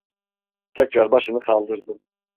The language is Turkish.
Tekrar başını kaldırdı.